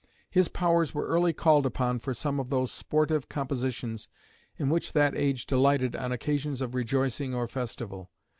His powers were early called upon for some of those sportive compositions in which that age delighted on occasions of rejoicing or festival.